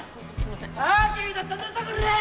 ターキーだったんだぞこらぁ！